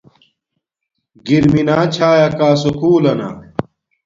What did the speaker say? گر مینا چھایا کا سکُول لنا